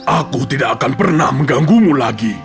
aku tidak akan pernah mengganggumu lagi